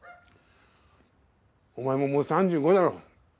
お前ももう３５だろ。